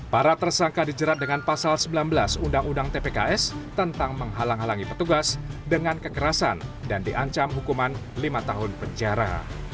para tersangka dijerat dengan pasal sembilan belas undang undang tpks tentang menghalang halangi petugas dengan kekerasan dan diancam hukuman lima tahun penjara